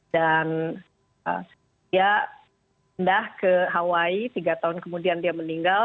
dan dia rendah ke hawaii tiga tahun kemudian dia meninggal